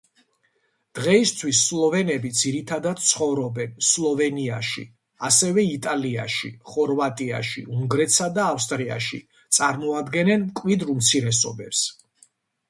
დღეისთვის სლოვენები ძირითადად ცხოვრობენ სლოვენიაში, ასევე იტალიაში, ხორვატიაში, უნგრეთსა და ავსტრიაში წარმოადგენენ მკვიდრ უმცირესობებს.